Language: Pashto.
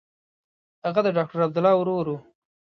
هغه د ډاکټر عبدالله ورور و.